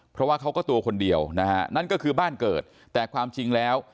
เพราะว่าเขาก็ตัวคนเดียวนะฮะนั่นก็คือบ้านเกิดแต่ความจริงแล้ว